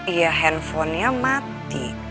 ya handphonenya mati